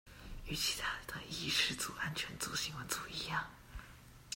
與其他的議事組安全組新聞組一樣